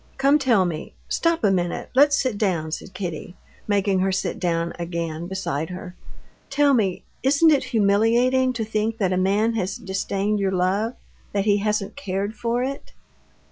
Come, tell me.... Stop a minute, let's sit down," said Kitty, making her sit down again beside her. "Tell me, isn't it humiliating to think that a man has disdained your love, that he hasn't cared for it?..."